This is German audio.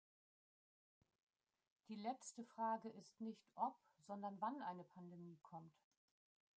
Die letzte Frage ist nicht, ob, sondern wann eine Pandemie kommt.